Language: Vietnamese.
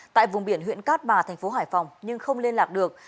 tại vùng biển huyện cát bà thành phố hải phòng nhưng không liên lạc được